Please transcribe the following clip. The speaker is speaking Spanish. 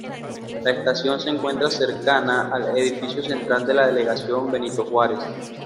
La estación se encuentra cercana al edificio central de la delegación Benito Juárez.